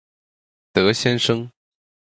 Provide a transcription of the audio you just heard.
德先生